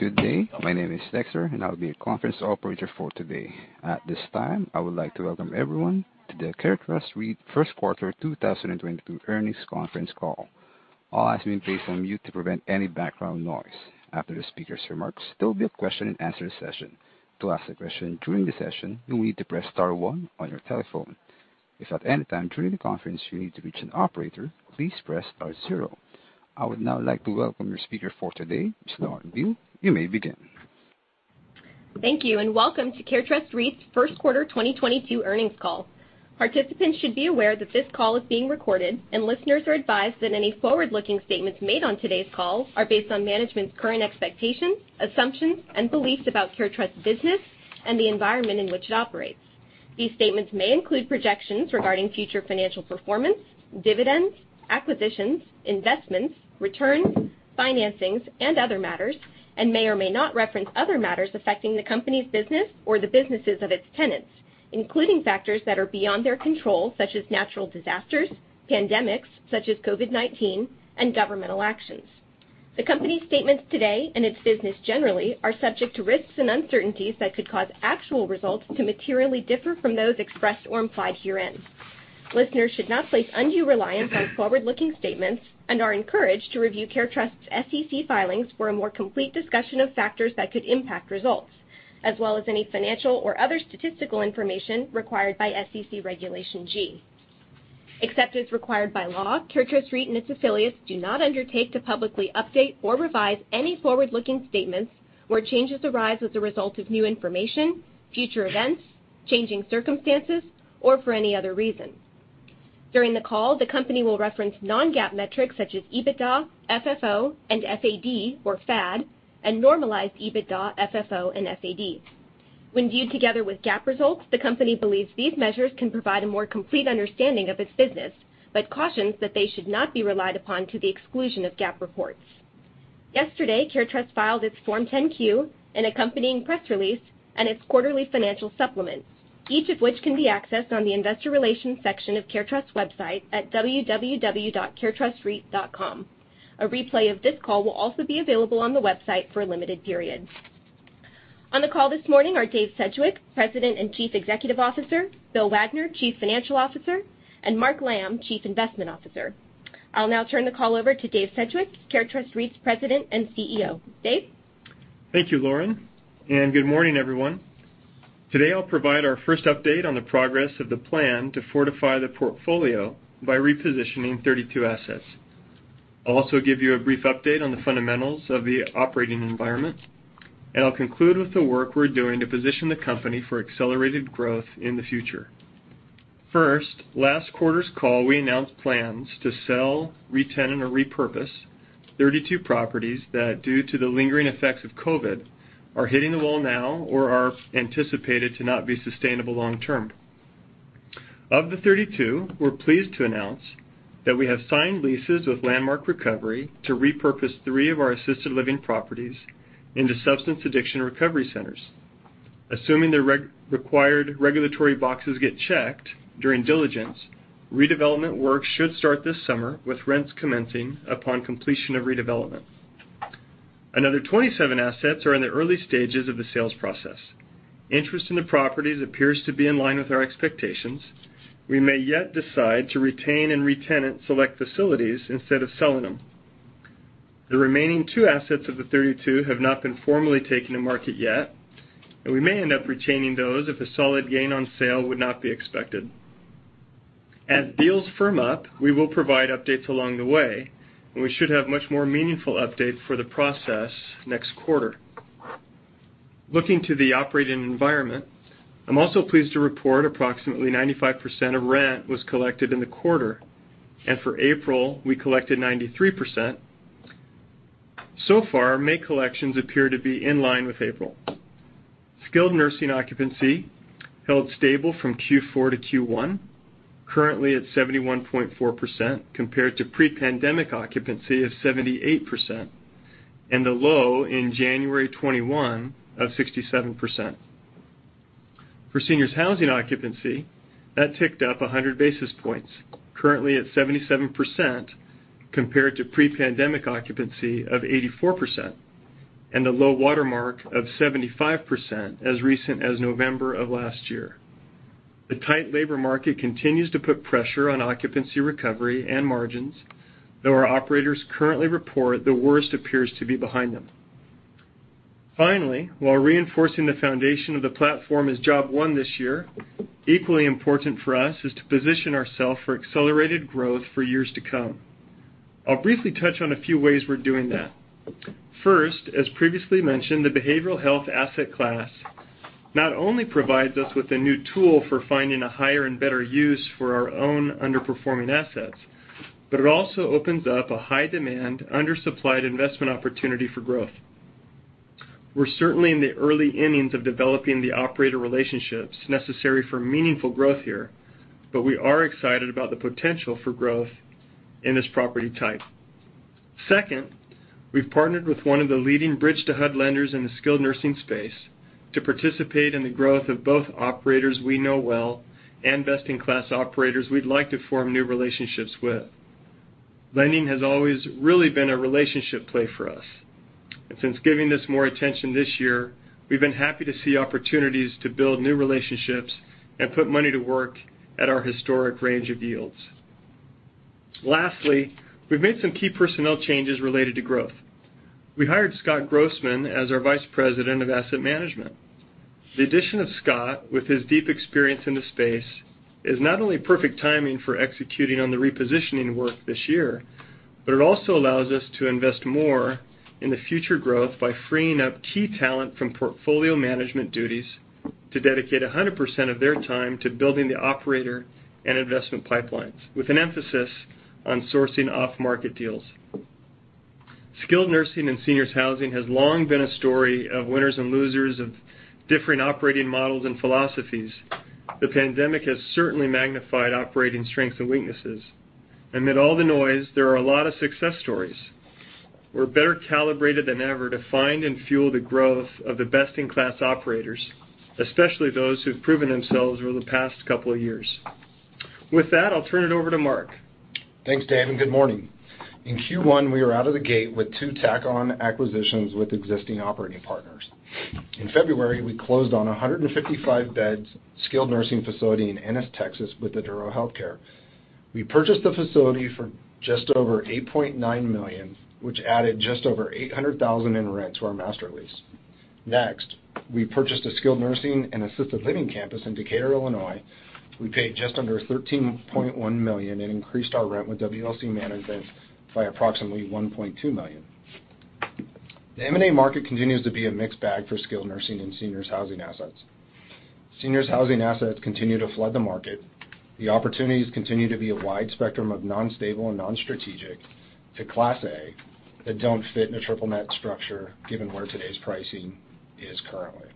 Good day. My name is Dexter, and I'll be your conference operator for today. At this time, I would like to welcome everyone to the CareTrust REIT First Quarter 2022 Earnings Conference Call. All lines have been placed on mute to prevent any background noise. After the speaker's remarks, there will be a question-and-answer session. To ask a question during the session, you'll need to press star one on your telephone. If at any time during the conference you need to reach an operator, please press star zero. I would now like to welcome your speaker for today, Ms. Lauren Beale. You may begin. Thank you, and welcome to CareTrust REIT's first quarter 2022 earnings call. Participants should be aware that this call is being recorded, and listeners are advised that any forward-looking statements made on today's call are based on management's current expectations, assumptions, and beliefs about CareTrust's business and the environment in which it operates. These statements may include projections regarding future financial performance, dividends, acquisitions, investments, returns, financings, and other matters, and may or may not reference other matters affecting the company's business or the businesses of its tenants, including factors that are beyond their control, such as natural disasters, pandemics, such as COVID-19, and governmental actions. The company's statements today and its business generally are subject to risks and uncertainties that could cause actual results to materially differ from those expressed or implied herein. Listeners should not place undue reliance on forward-looking statements and are encouraged to review CareTrust's SEC filings for a more complete discussion of factors that could impact results, as well as any financial or other statistical information required by SEC Regulation G. Except as required by law, CareTrust REIT and its affiliates do not undertake to publicly update or revise any forward-looking statements where changes arise as a result of new information, future events, changing circumstances, or for any other reason. During the call, the company will reference non-GAAP metrics such as EBITDA, FFO, and FAD, or FAD, and normalized EBITDA, FFO, and FAD. When viewed together with GAAP results, the company believes these measures can provide a more complete understanding of its business, but cautions that they should not be relied upon to the exclusion of GAAP reports. Yesterday, CareTrust filed its Form 10-Q and accompanying press release and its quarterly financial supplements, each of which can be accessed on the investor relations section of CareTrust's website at www.caretrustreit.com. A replay of this call will also be available on the website for a limited period. On the call this morning are Dave Sedgwick, President and Chief Executive Officer; Bill Wagner, Chief Financial Officer; and Mark Lamb, Chief Investment Officer. I'll now turn the call over to Dave Sedgwick, CareTrust REIT's President and CEO. Dave? Thank you, Lauren, and good morning, everyone. Today, I'll provide our first update on the progress of the plan to fortify the portfolio by repositioning 32 assets. I'll also give you a brief update on the fundamentals of the operating environment, and I'll conclude with the work we're doing to position the company for accelerated growth in the future. First, last quarter's call, we announced plans to sell, retenant, or repurpose 32 properties that, due to the lingering effects of COVID, are hitting the wall now or are anticipated to not be sustainable long term. Of the 32, we're pleased to announce that we have signed leases with Landmark Recovery to repurpose three of our assisted living properties into substance addiction recovery centers. Assuming the required regulatory boxes get checked during diligence, redevelopment work should start this summer, with rents commencing upon completion of redevelopment. Another 27 assets are in the early stages of the sales process. Interest in the properties appears to be in line with our expectations. We may yet decide to retain and retenant select facilities instead of selling them. The remaining two assets of the 32 have not been formally taken to market yet, and we may end up retaining those if a solid gain on sale would not be expected. As deals firm up, we will provide updates along the way, and we should have much more meaningful update for the process next quarter. Looking to the operating environment, I'm also pleased to report approximately 95% of rent was collected in the quarter. For April, we collected 93%. So far, May collections appear to be in line with April. Skilled nursing occupancy held stable from Q4 to Q1, currently at 71.4% compared to pre-pandemic occupancy of 78% and a low in January 2021 of 67%. For seniors housing occupancy, that ticked up 100 basis points, currently at 77% compared to pre-pandemic occupancy of 84% and a low water mark of 75% as recent as November of last year. The tight labor market continues to put pressure on occupancy recovery and margins, though our operators currently report the worst appears to be behind them. Finally, while reinforcing the foundation of the platform is job one this year, equally important for us is to position ourself for accelerated growth for years to come. I'll briefly touch on a few ways we're doing that. First, as previously mentioned, the behavioral health asset class not only provides us with a new tool for finding a higher and better use for our own underperforming assets, but it also opens up a high-demand, undersupplied investment opportunity for growth. We're certainly in the early innings of developing the operator relationships necessary for meaningful growth here, but we are excited about the potential for growth in this property type. Second, we've partnered with one of the leading bridge-to-HUD lenders in the skilled nursing space. To participate in the growth of both operators we know well and best-in-class operators we'd like to form new relationships with. Lending has always really been a relationship play for us. Since giving this more attention this year, we've been happy to see opportunities to build new relationships and put money to work at our historic range of yields. Lastly, we've made some key personnel changes related to growth. We hired Scott Grossman as our Vice President of Asset Management. The addition of Scott, with his deep experience in the space, is not only perfect timing for executing on the repositioning work this year, but it also allows us to invest more in the future growth by freeing up key talent from portfolio management duties to dedicate 100% of their time to building the operator and investment pipelines, with an emphasis on sourcing off-market deals. Skilled nursing and seniors housing has long been a story of winners and losers of different operating models and philosophies. The pandemic has certainly magnified operating strengths and weaknesses. Amid all the noise, there are a lot of success stories. We're better calibrated than ever to find and fuel the growth of the best-in-class operators, especially those who've proven themselves over the past couple of years. With that, I'll turn it over to Mark. Thanks, Dave, and good morning. In Q1, we are out of the gate with two tack-on acquisitions with existing operating partners. In February, we closed on 155 beds skilled nursing facility in Ennis, Texas, with Eduro Healthcare. We purchased the facility for just over $8.9 million, which added just over $800,000 in rent to our master lease. Next, we purchased a skilled nursing and assisted living campus in Decatur, Illinois. We paid just under $13.1 million and increased our rent with WLC Management by approximately $1.2 million. The M&A market continues to be a mixed bag for skilled nursing and seniors housing assets. Seniors housing assets continue to flood the market. The opportunities continue to be a wide spectrum of non-stable and non-strategic to Class A that don't fit in a triple net structure given where today's pricing is currently.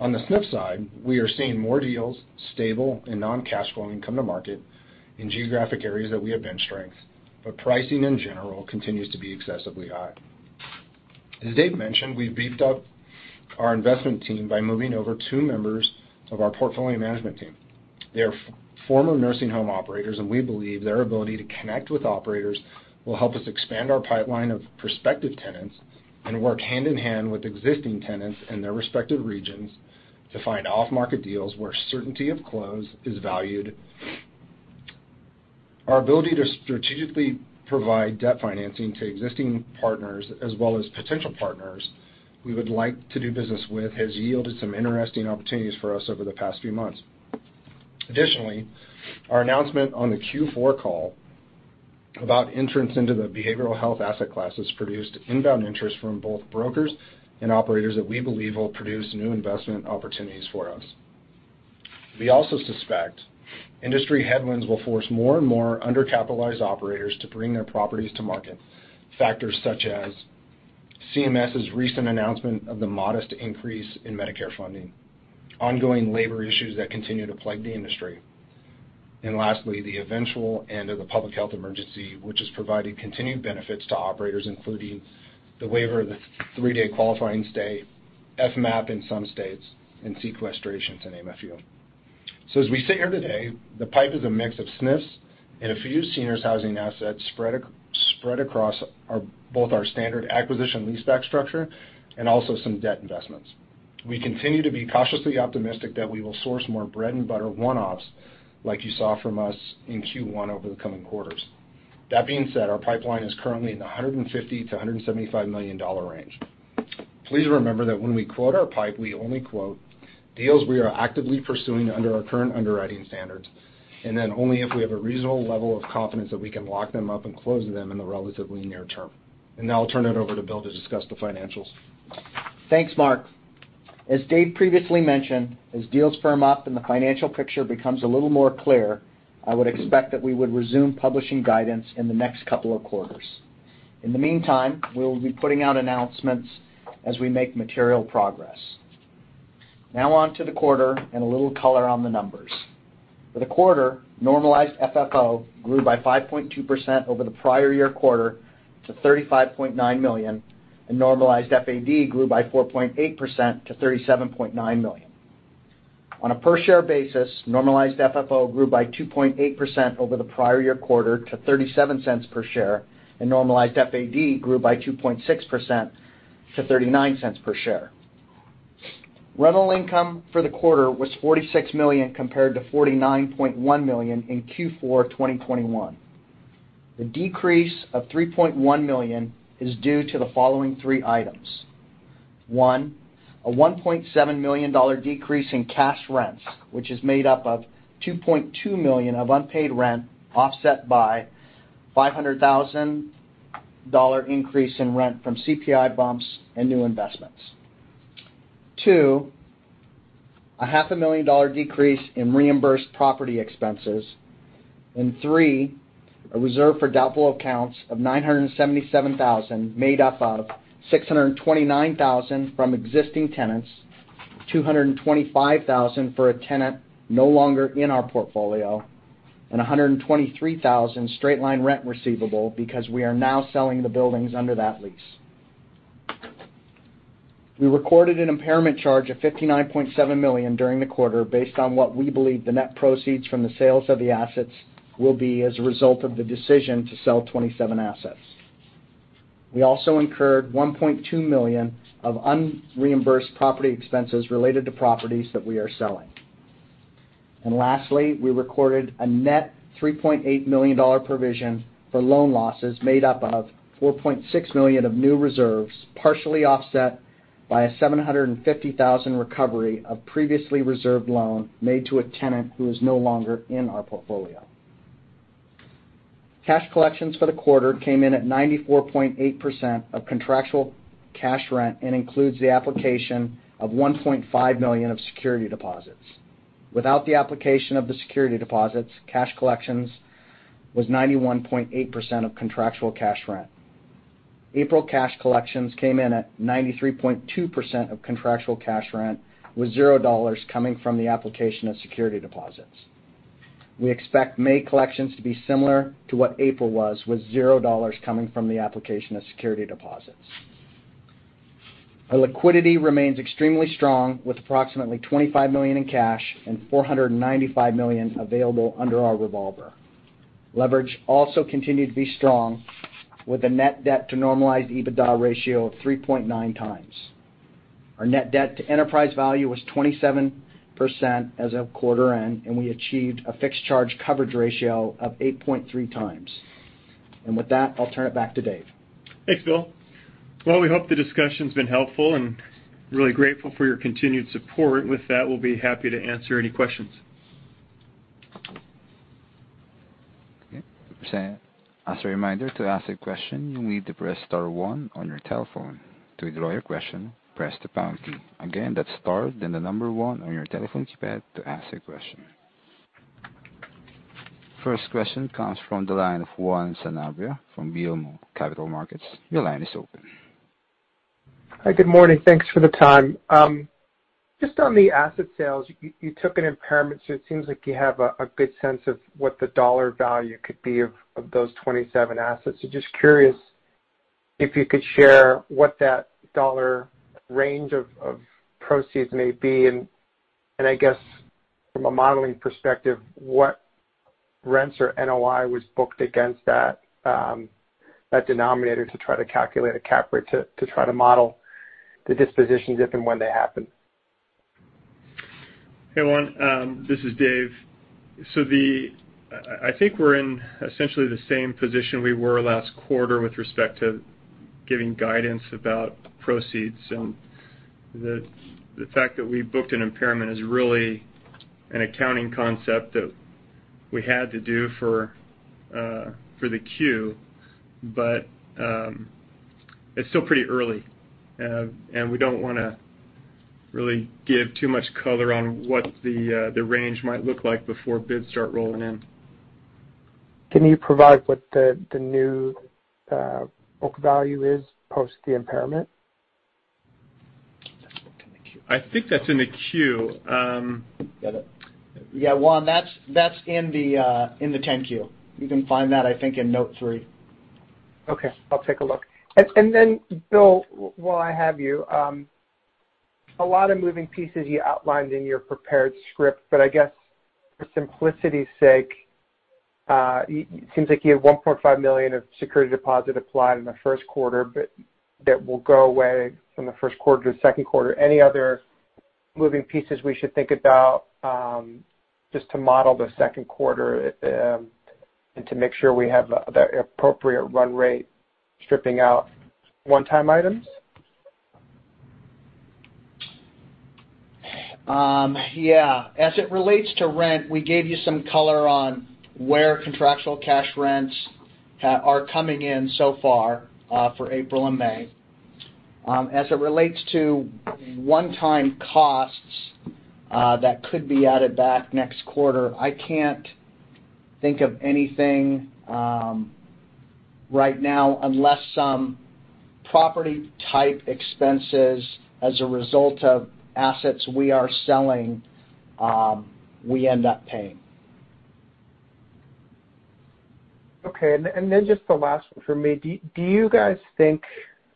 On the SNF side, we are seeing more deals, stable and non-cash flowing, come to market in geographic areas that we have strength in, but pricing in general continues to be excessively high. As Dave mentioned, we've beefed up our investment team by moving over two members of our portfolio management team. They are former nursing home operators, and we believe their ability to connect with operators will help us expand our pipeline of prospective tenants and work hand-in-hand with existing tenants in their respective regions to find off-market deals where certainty of close is valued. Our ability to strategically provide debt financing to existing partners as well as potential partners we would like to do business with has yielded some interesting opportunities for us over the past few months. Additionally, our announcement on the Q4 call about entrants into the behavioral health asset classes produced inbound interest from both brokers and operators that we believe will produce new investment opportunities for us. We also suspect industry headwinds will force more and more undercapitalized operators to bring their properties to market. Factors such as CMS's recent announcement of the modest increase in Medicare funding, ongoing labor issues that continue to plague the industry, and lastly, the eventual end of the public health emergency, which has provided continued benefits to operators, including the waiver of the three-day qualifying stay, FMAP in some states, and sequestration in Medicare. As we sit here today, the pipe is a mix of SNFs and a few seniors housing assets spread across both our standard acquisition leaseback structure and also some debt investments. We continue to be cautiously optimistic that we will source more bread-and-butter one-offs like you saw from us in Q1 over the coming quarters. That being said, our pipeline is currently in the $150 million-$175 million range. Please remember that when we quote our pipe, we only quote deals we are actively pursuing under our current underwriting standards, and then only if we have a reasonable level of confidence that we can lock them up and close them in the relatively near term. Now I'll turn it over to Bill to discuss the financials. Thanks, Mark. As Dave previously mentioned, as deals firm up and the financial picture becomes a little more clear, I would expect that we would resume publishing guidance in the next couple of quarters. In the meantime, we'll be putting out announcements as we make material progress. Now on to the quarter and a little color on the numbers. For the quarter, normalized FFO grew by 5.2% over the prior year quarter to $35.9 million, and normalized FAD grew by 4.8% to $37.9 million. On a per-share basis, normalized FFO grew by 2.8% over the prior year quarter to $0.37 per share, and normalized FAD grew by 2.6% to $0.39 per share. Rental income for the quarter was $46 million compared to $49.1 million in Q4 2021. The decrease of $3.1 million is due to the following three items. One, a $1.7 million decrease in cash rents, which is made up of $2.2 million of unpaid rent offset by $500,000 increase in rent from CPI bumps and new investments. Two, a $0.5 million decrease in reimbursed property expenses. Three, a reserve for doubtful accounts of $977,000 made up of $629,000 from existing tenants, $225,000 for a tenant no longer in our portfolio, and $123,000 straight line rent receivable because we are now selling the buildings under that lease. We recorded an impairment charge of $59.7 million during the quarter based on what we believe the net proceeds from the sales of the assets will be as a result of the decision to sell 27 assets. We also incurred $1.2 million of unreimbursed property expenses related to properties that we are selling. Lastly, we recorded a net $3.8 million provision for loan losses made up of $4.6 million of new reserves, partially offset by a $750,000 recovery of previously reserved loan made to a tenant who is no longer in our portfolio. Cash collections for the quarter came in at 94.8% of contractual cash rent and includes the application of $1.5 million of security deposits. Without the application of the security deposits, cash collections was 91.8% of contractual cash rent. April cash collections came in at 93.2% of contractual cash rent, with $0 coming from the application of security deposits. We expect May collections to be similar to what April was, with $0 coming from the application of security deposits. Our liquidity remains extremely strong, with approximately $25 million in cash and $495 million available under our revolver. Leverage also continued to be strong with a net debt to normalized EBITDA ratio of 3.9x. Our net debt to enterprise value was 27% as of quarter end, and we achieved a fixed charge coverage ratio of 8.3x. With that, I'll turn it back to Dave. Thanks, Bill. Well, we hope the discussion's been helpful and really grateful for your continued support. With that, we'll be happy to answer any questions. Okay. As a reminder, to ask a question, you need to press star one on your telephone. To withdraw your question, press the pound key. Again, that's star, then the number one on your telephone keypad to ask a question. First question comes from the line of Juan Sanabria from BMO Capital Markets. Your line is open. Hi, good morning. Thanks for the time. Just on the asset sales, you took an impairment, so it seems like you have a good sense of what the dollar value could be of those 27 assets. Just curious if you could share what that dollar range of proceeds may be. I guess from a modeling perspective, what rents or NOI was booked against that denominator to try to calculate a cap rate to try to model the dispositions if and when they happen. Hey, Juan, this is Dave. I think we're in essentially the same position we were last quarter with respect to giving guidance about proceeds. The fact that we booked an impairment is really an accounting concept that we had to do for the Q. It's still pretty early. We don't wanna really give too much color on what the range might look like before bids start rolling in. Can you provide what the new book value is post the impairment? I think that's in the Q. Yeah, Juan, that's in the 10-Q. You can find that, I think, in note three. Okay. I'll take a look. Bill, while I have you, a lot of moving pieces you outlined in your prepared script, but I guess for simplicity's sake, it seems like you had $1.5 million of security deposit applied in the first quarter, but that will go away from the first quarter to second quarter. Any other moving pieces we should think about, just to model the second quarter, and to make sure we have the appropriate run rate stripping out one-time items? Yeah. As it relates to rent, we gave you some color on where contractual cash rents are coming in so far for April and May. As it relates to one-time costs that could be added back next quarter, I can't think of anything right now unless some property-type expenses, as a result of assets we are selling, we end up paying. Okay. Just the last one for me. Do you guys think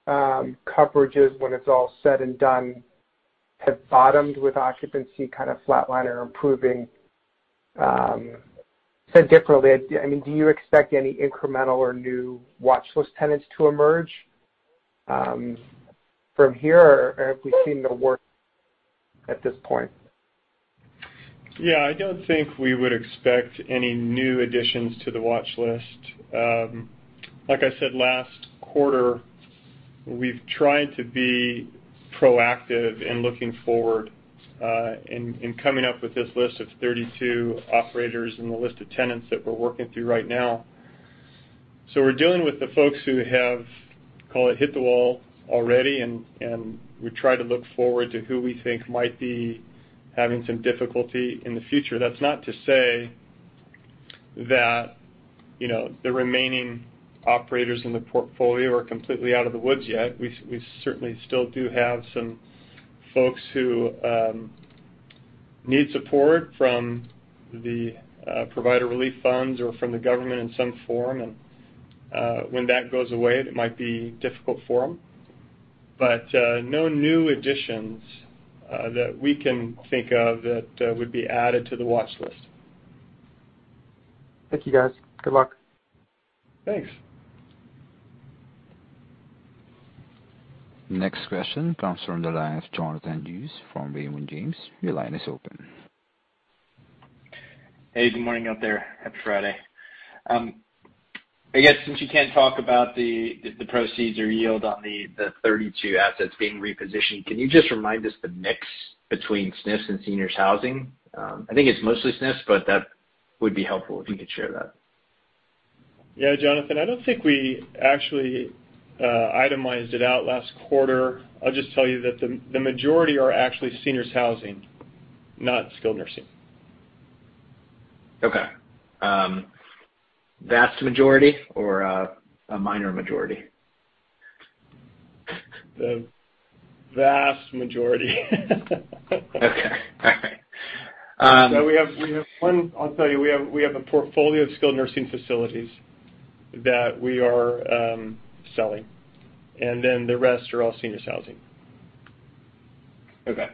coverages, when it's all said and done, have bottomed with occupancy kind of flatlined or improving so differently? I mean, do you expect any incremental or new watchlist tenants to emerge from here, or have we seen the worst at this point? Yeah. I don't think we would expect any new additions to the watchlist. Like I said last quarter, we've tried to be proactive in looking forward, in coming up with this list of 32 operators and the list of tenants that we're working through right now. We're dealing with the folks who have, call it, hit the wall already, and we try to look forward to who we think might be having some difficulty in the future. That's not to say that you know, the remaining operators in the portfolio are completely out of the woods yet. We certainly still do have some folks who need support from the provider relief funds or from the government in some form. When that goes away, it might be difficult for them. No new additions that we can think of that would be added to the watch list. Thank you, guys. Good luck. Thanks. Next question comes from the line of Jonathan Hughes from Raymond James. Your line is open. Hey, good morning out there. Happy Friday. I guess since you can't talk about the proceeds or yield on the 32 assets being repositioned, can you just remind us the mix between SNFs and seniors housing? I think it's mostly SNFs, but that would be helpful if you could share that. Yeah, Jonathan, I don't think we actually itemized it out last quarter. I'll just tell you that the majority are actually seniors housing, not skilled nursing. Okay. Vast majority or a minor majority? The vast majority. Okay. All right. We have one. I'll tell you, we have a portfolio of skilled nursing facilities that we are selling, and then the rest are all seniors housing. Okay.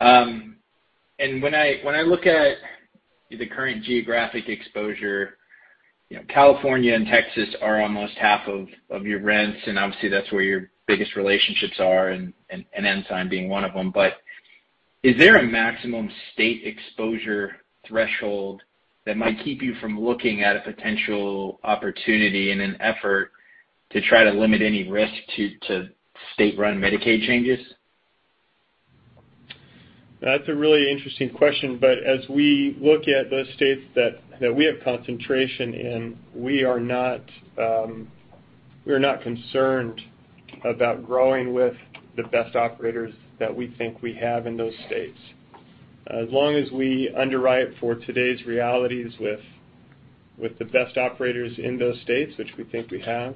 When I look at the current geographic exposure, you know, California and Texas are almost half of your rents, and obviously, that's where your biggest relationships are, and Ensign being one of them. But is there a maximum state exposure threshold that might keep you from looking at a potential opportunity in an effort to try to limit any risk to state-run Medicaid changes? That's a really interesting question. As we look at those states that we have concentration in, we are not concerned about growing with the best operators that we think we have in those states. As long as we underwrite for today's realities with the best operators in those states, which we think we have,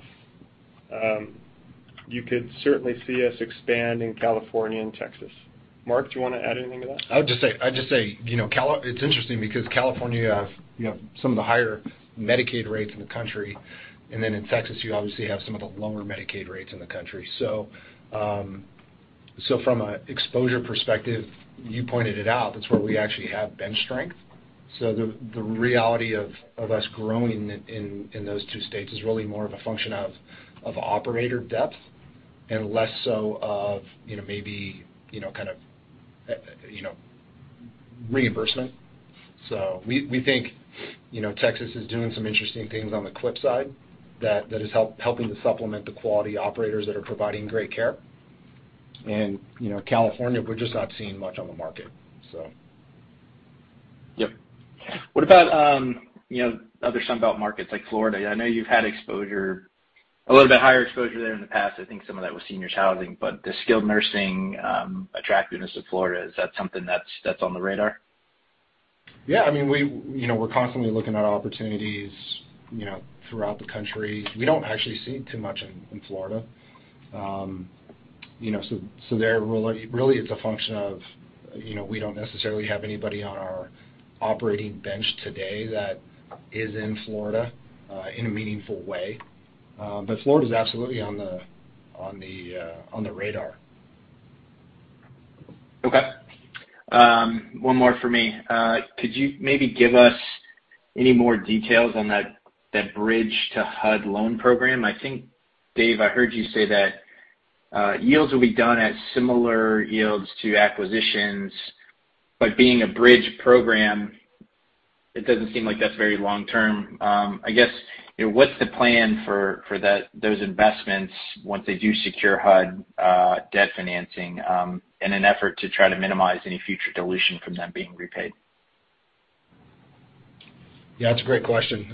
you could certainly see us expand in California and Texas. Mark, do you wanna add anything to that? I would just say, you know, it's interesting because California, you have, you know, some of the higher Medicaid rates in the country, and then in Texas, you obviously have some of the lower Medicaid rates in the country. So, from an exposure perspective, you pointed it out, that's where we actually have bench strength. So the reality of us growing in those two states is really more of a function of operator depth and less so of, you know, maybe, you know, kind of, you know, reimbursement. So we think, you know, Texas is doing some interesting things on the CHIP side that is helping to supplement the quality operators that are providing great care. And, you know, California, we're just not seeing much on the market. Yep. What about, you know, other Sun Belt markets like Florida? I know you've had exposure, a little bit higher exposure there in the past. I think some of that was seniors housing, but the skilled nursing, attractiveness of Florida, is that something that's on the radar? Yeah. I mean, we, you know, we're constantly looking at opportunities, you know, throughout the country. We don't actually see too much in Florida. You know, so there, really it's a function of, you know, we don't necessarily have anybody on our operating bench today that is in Florida, in a meaningful way. Florida is absolutely on the radar. Okay. One more for me. Could you maybe give us any more details on that Bridge to HUD loan program? I think, Dave, I heard you say that yields will be done at similar yields to acquisitions, but being a Bridge program, it doesn't seem like that's very long term. I guess, you know, what's the plan for those investments once they do secure HUD debt financing, in an effort to try to minimize any future dilution from them being repaid? Yeah, it's a great question.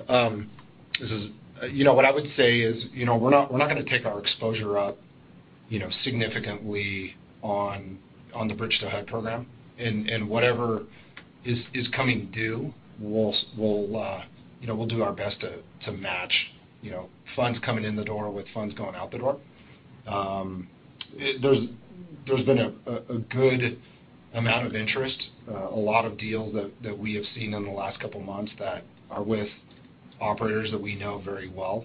You know, what I would say is, you know, we're not gonna take our exposure up, you know, significantly on the Bridge to HUD program. Whatever is coming due, we'll do our best to match, you know, funds coming in the door with funds going out the door. There's been a good amount of interest, a lot of deals that we have seen in the last couple of months that are with operators that we know very well.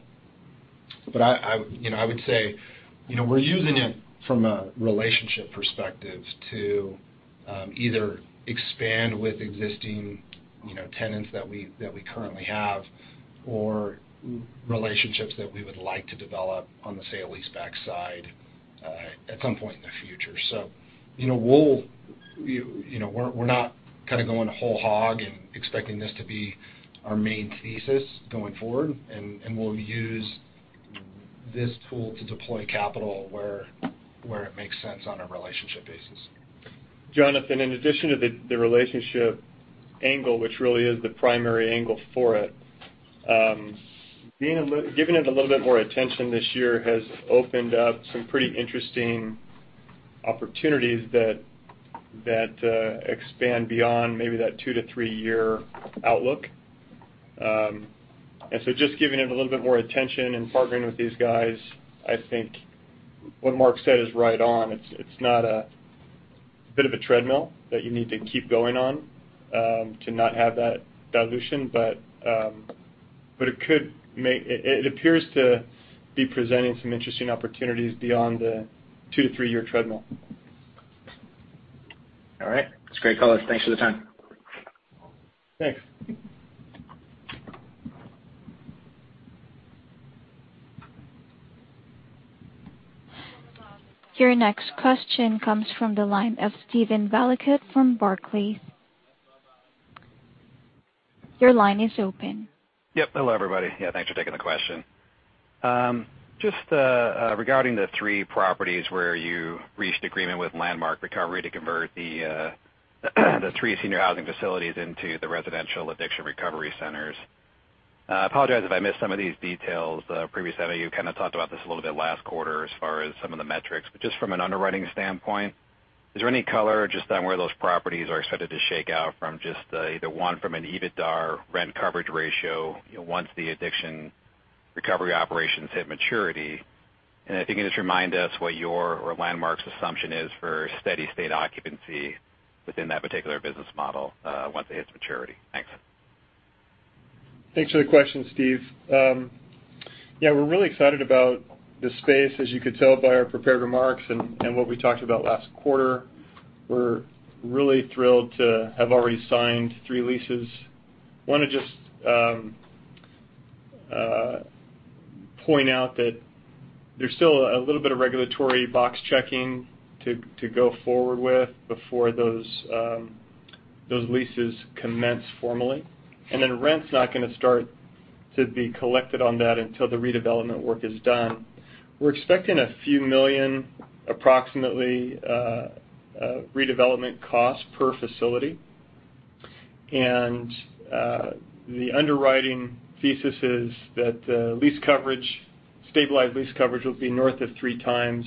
You know I would say you know we're using it from a relationship perspective to either expand with existing you know tenants that we currently have or relationships that we would like to develop on the sale-leaseback side at some point in the future. You know we'll you know we're not kinda going whole hog and expecting this to be our main thesis going forward and we'll use this tool to deploy capital where it makes sense on a relationship basis. Jonathan, in addition to the relationship angle, which really is the primary angle for it, giving it a little bit more attention this year has opened up some pretty interesting opportunities that expand beyond maybe that two to three year outlook. Just giving it a little bit more attention and partnering with these guys, I think what Mark said is right on. It's not a bit of a treadmill that you need to keep going on to not have that dilution. It appears to be presenting some interesting opportunities beyond the two to three year treadmill. All right. It's great color. Thanks for the time. Thanks. Your next question comes from the line of Steven Valiquette from Barclays. Your line is open. Yep. Hello, everybody. Yeah, thanks for taking the question. Just regarding the three properties where you reached agreement with Landmark Recovery to convert the three senior housing facilities into the residential addiction recovery centers. I apologize if I missed some of these details. Previously, I know you kinda talked about this a little bit last quarter as far as some of the metrics. Just from an underwriting standpoint, is there any color just on where those properties are expected to shake out from just either one from an EBITDAR rent coverage ratio, you know, once the addiction recovery operations hit maturity? If you can just remind us what your or Landmark's assumption is for steady state occupancy within that particular business model, once it hits maturity. Thanks. Thanks for the question, Steve. Yeah, we're really excited about this space, as you could tell by our prepared remarks and what we talked about last quarter. We're really thrilled to have already signed three leases. Wanna just point out that there's still a little bit of regulatory box checking to go forward with before those leases commence formally. Then rent's not gonna start to be collected on that until the redevelopment work is done. We're expecting a few $1 million, approximately, redevelopment costs per facility. The underwriting thesis is that lease coverage, stabilized lease coverage will be north of 3x.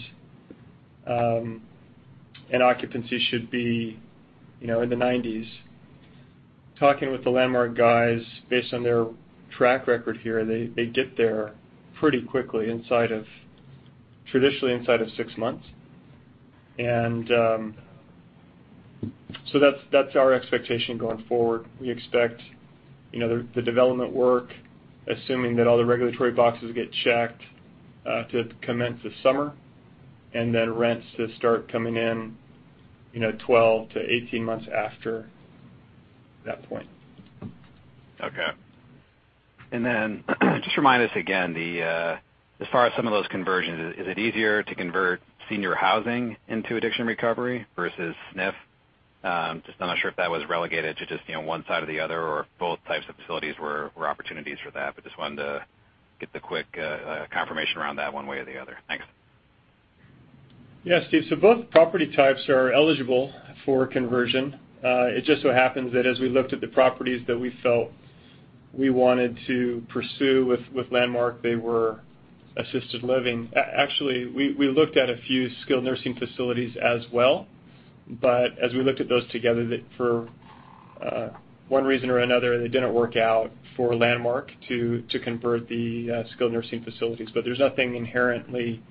Occupancy should be, you know, in the 90s. Talking with the Landmark guys based on their track record here, they get there pretty quickly, traditionally inside of six months. That's our expectation going forward. We expect, you know, the development work, assuming that all the regulatory boxes get checked, to commence this summer, and then rents to start coming in, you know, 12-18 months after that point. Okay. Just remind us again, as far as some of those conversions, is it easier to convert senior housing into addiction recovery versus SNF? Just I'm not sure if that was relegated to just, you know, one side or the other or both types of facilities were opportunities for that. Just wanted to get the quick confirmation around that one way or the other. Thanks. Yeah, Steve. Both property types are eligible for conversion. It just so happens that as we looked at the properties that we felt we wanted to pursue with Landmark, they were assisted living. Actually, we looked at a few skilled nursing facilities as well, but as we looked at those together, they, for one reason or another, didn't work out for Landmark to convert the skilled nursing facilities. There's nothing inherently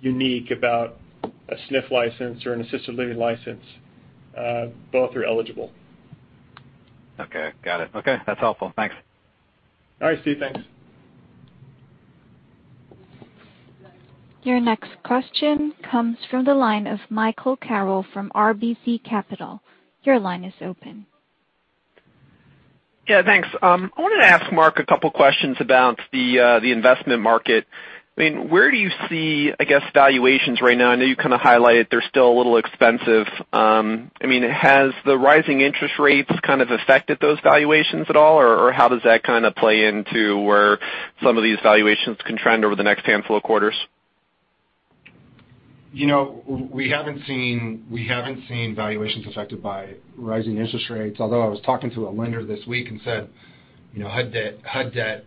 unique about a SNF license or an assisted living license. Both are eligible. Okay. Got it. Okay, that's helpful. Thanks. All right, Steve. Thanks. Your next question comes from the line of Michael Carroll from RBC Capital Markets. Your line is open. Yeah, thanks. I wanted to ask Mark a couple questions about the investment market. I mean, where do you see, I guess, valuations right now? I know you kinda highlighted they're still a little expensive. I mean, has the rising interest rates kind of affected those valuations at all, or how does that kinda play into where some of these valuations can trend over the next handful of quarters? You know, we haven't seen valuations affected by rising interest rates, although I was talking to a lender this week who said, you know, HUD debt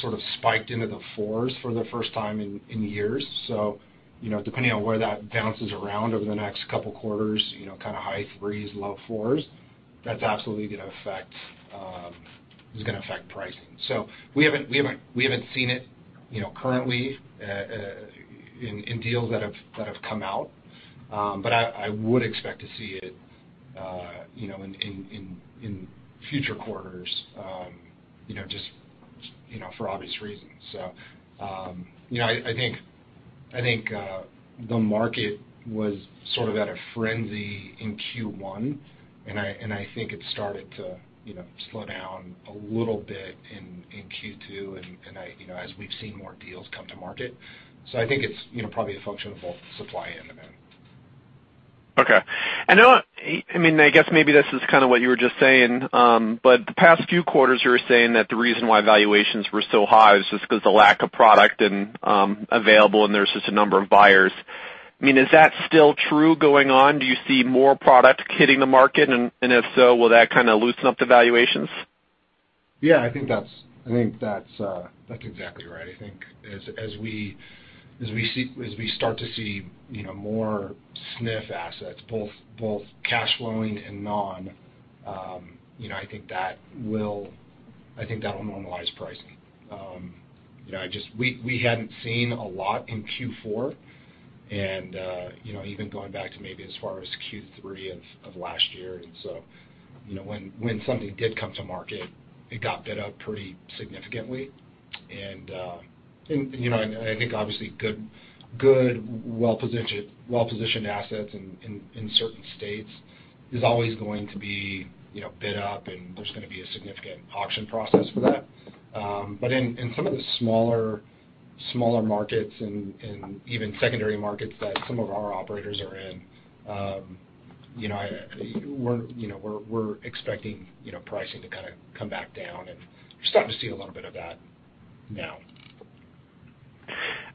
sort of spiked into the 4s for the first time in years. Depending on where that bounces around over the next couple quarters, you know, kinda high 3s, low 4s, that's absolutely gonna affect pricing. We haven't seen it currently in deals that have come out. But I would expect to see it in future quarters, you know, just for obvious reasons. I think the market was sort of at a frenzy in Q1, and I think it started to, you know, slow down a little bit in Q2, and I, you know, as we've seen more deals come to market. I think it's, you know, probably a function of both supply and demand. Okay. Now, I mean, I guess maybe this is kinda what you were just saying. The past few quarters, you were saying that the reason why valuations were so high is just 'cause the lack of product and available, and there's just a number of buyers. I mean, is that still true going on? Do you see more product hitting the market? If so, will that kinda loosen up the valuations? Yeah, I think that's exactly right. I think as we start to see, you know, more SNF assets, both cash flowing and non, you know, I think that will normalize pricing. You know, we hadn't seen a lot in Q4, and you know, even going back to maybe as far as Q3 of last year. You know, when something did come to market, it got bid up pretty significantly. You know, I think obviously good well-positioned assets in certain states is always going to be, you know, bid up, and there's gonna be a significant auction process for that. In some of the smaller markets and even secondary markets that some of our operators are in, you know, we're, you know, we're expecting, you know, pricing to kind of come back down, and we're starting to see a little bit of that now.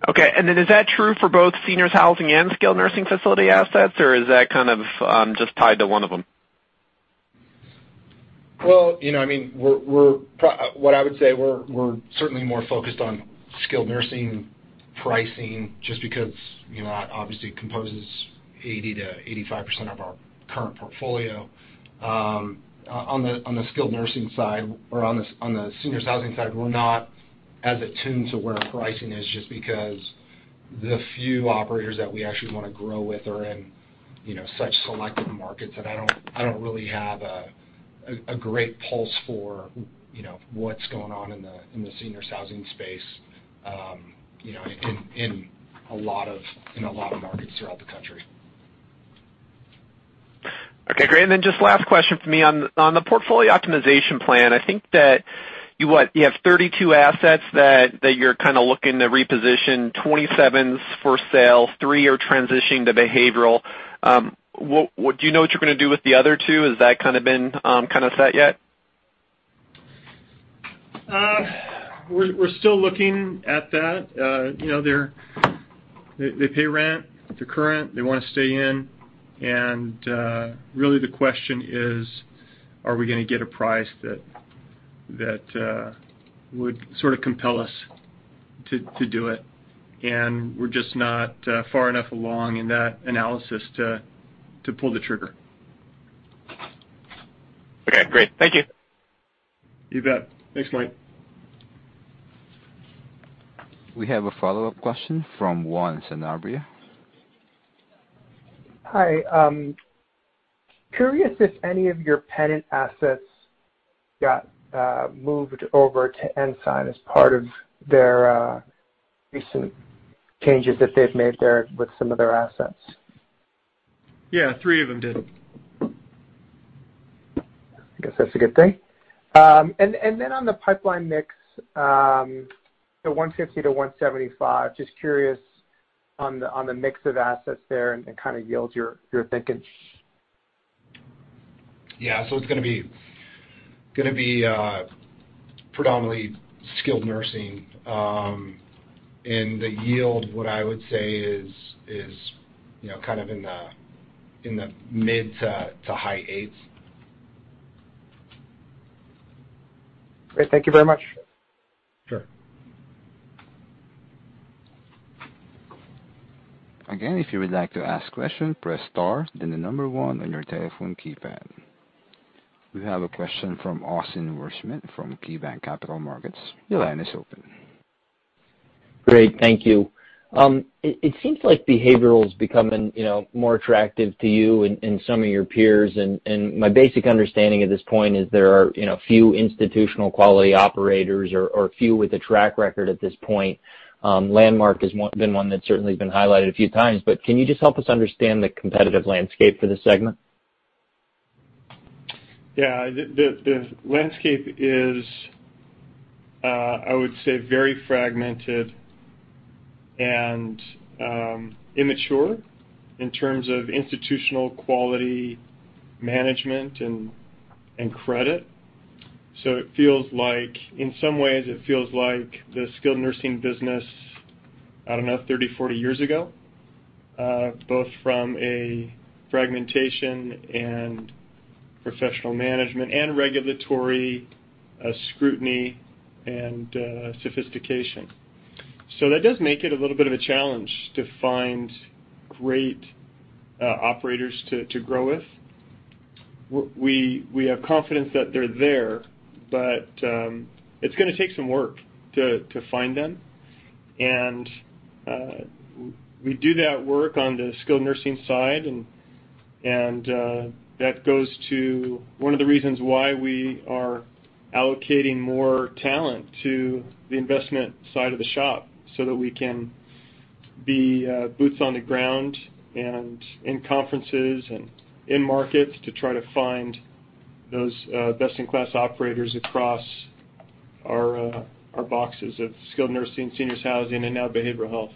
Okay. Is that true for both seniors housing and skilled nursing facility assets, or is that kind of just tied to one of them? Well, you know, I mean, what I would say, we're certainly more focused on skilled nursing pricing just because, you know, obviously composes 80%-85% of our current portfolio. On the skilled nursing side or on the seniors housing side, we're not as attuned to where pricing is just because the few operators that we actually wanna grow with are in, you know, such selective markets that I don't really have a great pulse for, you know, what's going on in the seniors housing space, you know, in a lot of markets throughout the country. Okay, great. Just last question for me. On the portfolio optimization plan, I think that you have 32 assets that you're kinda looking to reposition, 27 for sale, three are transitioning to behavioral. Do you know what you're gonna do with the other two? Has that kind of been kind of set yet? We're still looking at that. You know, they pay rent, they're current, they wanna stay in. Really the question is, are we gonna get a price that would sort of compel us to do it? We're just not far enough along in that analysis to pull the trigger. Okay, great. Thank you. You bet. Thanks, Mike. We have a follow-up question from Juan Sanabria. Hi. Curious if any of your Pennant assets got moved over to Ensign as part of their recent changes that they've made there with some of their assets? Yeah, three of them did. I guess that's a good thing. On the pipeline mix, the 150%-175%, just curious on the mix of assets there and kind of yields you're thinking. Yeah. It's gonna be predominantly skilled nursing. The yield, what I would say is you know kind of in the mid to high 8s. Great. Thank you very much. Sure. Again, if you would like to ask a question, press star, then the number one on your telephone keypad. We have a question from Austin Wurschmidt from KeyBanc Capital Markets. Your line is open. Great. Thank you. It seems like behavioral is becoming, you know, more attractive to you and some of your peers. My basic understanding at this point is there are, you know, few institutional quality operators or few with a track record at this point. Landmark has been one that's certainly been highlighted a few times, but can you just help us understand the competitive landscape for this segment? Yeah. The landscape is. I would say very fragmented and immature in terms of institutional quality management and credit. It feels like, in some ways, the skilled nursing business, I don't know, 30, 40 years ago, both from a fragmentation and professional management and regulatory scrutiny and sophistication. That does make it a little bit of a challenge to find great operators to grow with. We have confidence that they're there, but it's gonna take some work to find them. We do that work on the skilled nursing side and that goes to one of the reasons why we are allocating more talent to the investment side of the shop, so that we can be boots on the ground and in conferences and in markets to try to find those best-in-class operators across our boxes of skilled nursing, seniors housing and now behavioral health.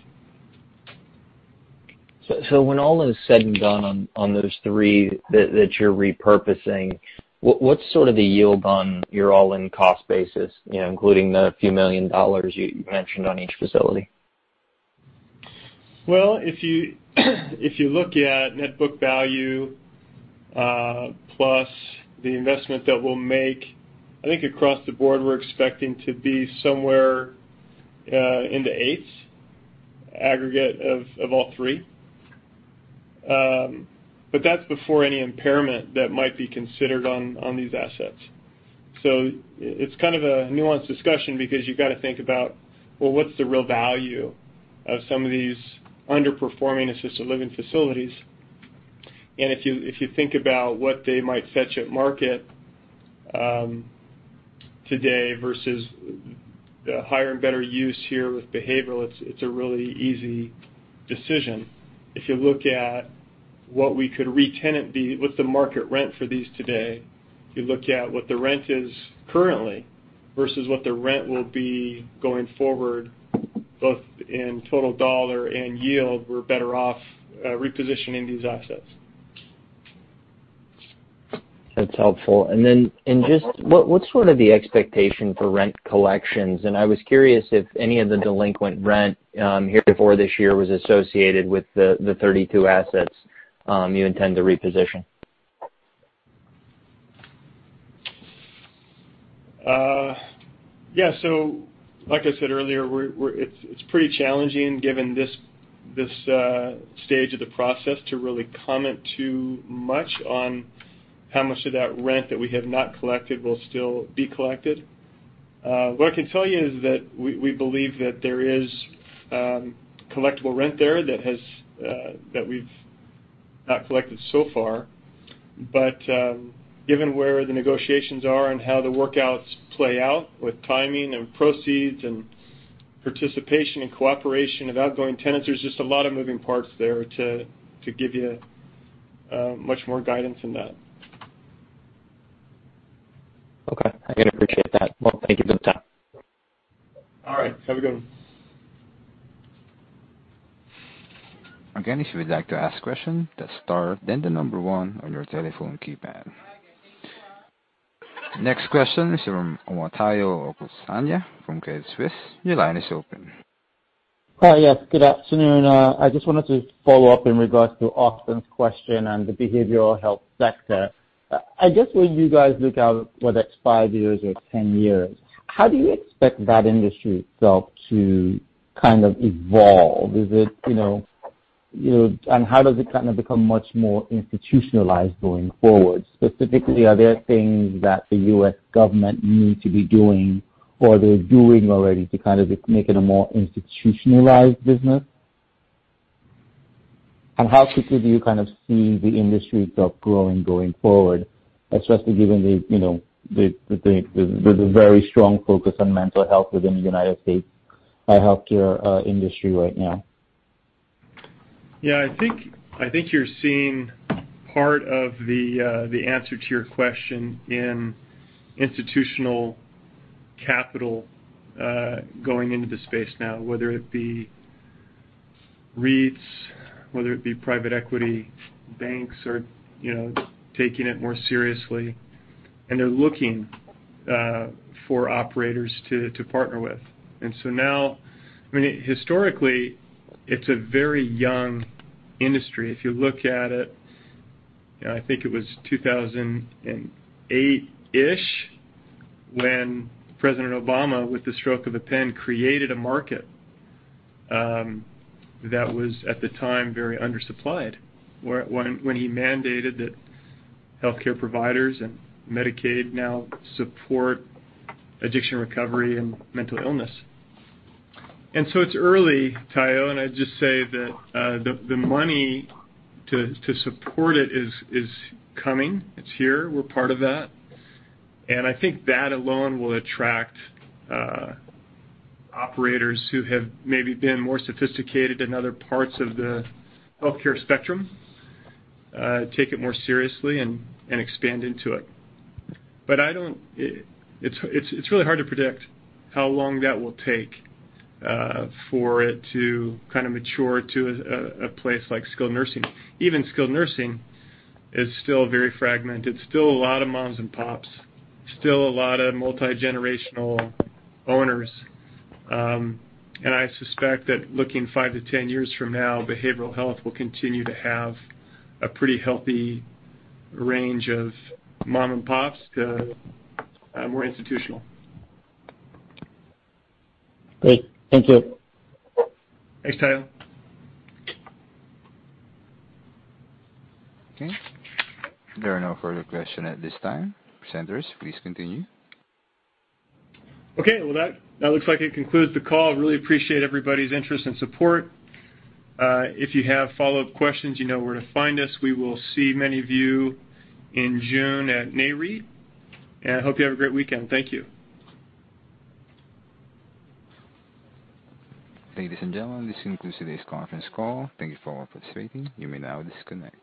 When all is said and done on those three that you're repurposing, what's sort of the yield on your all-in cost basis? You know, including the few $1 million you mentioned on each facility. Well, if you look at net book value plus the investment that we'll make, I think across the board, we're expecting to be somewhere in the 8s aggregate of all three. That's before any impairment that might be considered on these assets. It's kind of a nuanced discussion because you've gotta think about, well, what's the real value of some of these underperforming assisted living facilities? If you think about what they might fetch at market today versus the higher and better use here with behavioral, it's a really easy decision. If you look at what's the market rent for these today, if you look at what the rent is currently versus what the rent will be going forward, both in total dollar and yield, we're better off repositioning these assets. That's helpful. Then in just. Mm-hmm. What's sort of the expectation for rent collections? I was curious if any of the delinquent rent here before this year was associated with the 32 assets you intend to reposition. Yeah. Like I said earlier, we're. It's pretty challenging given this stage of the process to really comment too much on how much of that rent that we have not collected will still be collected. What I can tell you is that we believe that there is collectible rent there that we've not collected so far. But, given where the negotiations are and how the workouts play out with timing and proceeds and participation and cooperation of outgoing tenants, there's just a lot of moving parts there to give you much more guidance than that. Okay. I appreciate that. Well, thank you for your time. All right. Have a good one. Again, if you would like to ask question, press star then the number one on your telephone keypad. Next question is from Omotayo Okusanya from Credit Suisse. Your line is open. Hi. Yes, good afternoon. I just wanted to follow up in regards to Austin question on the behavioral health sector. I guess when you guys look out for the next five years or 10 years, how do you expect that industry itself to kind of evolve? Is it, you know, how does it kinda become much more institutionalized going forward? Specifically, are there things that the U.S. government need to be doing or they're doing already to kind of make it a more institutionalized business? How quickly do you kind of see the industry itself growing going forward, especially given the, you know, the very strong focus on mental health within the United States healthcare industry right now? Yeah, I think you're seeing part of the answer to your question in institutional capital going into the space now, whether it be REITs, whether it be private equity, banks are, you know, taking it more seriously, and they're looking for operators to partner with. Now. I mean, historically, it's a very young industry. If you look at it, I think it was 2008-ish when President Obama, with the stroke of a pen, created a market that was at the time very undersupplied, when he mandated that healthcare providers and Medicaid now support addiction recovery and mental illness. It's early, Tayo, and I'd just say that the money to support it is coming. It's here. We're part of that. I think that alone will attract operators who have maybe been more sophisticated in other parts of the healthcare spectrum, take it more seriously and expand into it. It's really hard to predict how long that will take for it to kind of mature to a place like skilled nursing. Even skilled nursing is still very fragmented, still a lot of moms and pops, still a lot of multigenerational owners. I suspect that looking five to 10 years from now, behavioral health will continue to have a pretty healthy range of mom and pops to more institutional. Great. Thank you. Thanks, Tayo. Okay. There are no further question at this time. Presenters, please continue. Okay. Well, that looks like it concludes the call. Really appreciate everybody's interest and support. If you have follow-up questions, you know where to find us. We will see many of you in June at Nareit. I hope you have a great weekend. Thank you. Ladies and gentlemen, this concludes today's conference call. Thank you for participating. You may now disconnect.